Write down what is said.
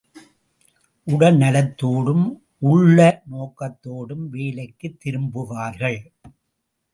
உடல் நலத்தோடும் உள்ள ஊக்கத்தோடும் வேலைக்குத் திரும்புவார்கள்.